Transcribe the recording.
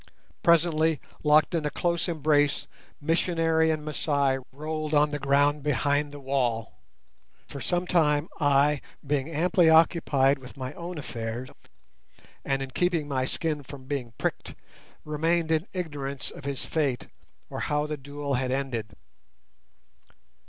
Presently, locked in a close embrace, missionary and Masai rolled on the ground behind the wall, and for some time I, being amply occupied with my own affairs, and in keeping my skin from being pricked, remained in ignorance of his fate or how the duel had ended.